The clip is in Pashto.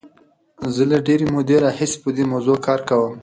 زه له ډېرې مودې راهیسې په دې موضوع کار کوم.